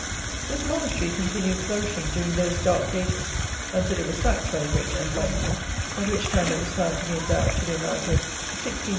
This Monastery continued flourishing during those dark ages, until it was sacked by the great enlightener, at which time it was found to be endowed to the amount of 16,077_l.